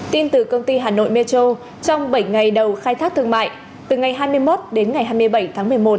tin từ công ty hà nội metro trong bảy ngày đầu khai thác thương mại từ ngày hai mươi một đến ngày hai mươi bảy tháng một mươi một